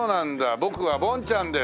僕はボンちゃんです。